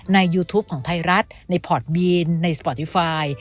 ยูทูปของไทยรัฐในพอร์ตบีนในสปอร์ตี้ไฟล์